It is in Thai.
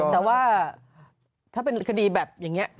แต่ว่าถ้าเป็นคดีแบบอย่างนี้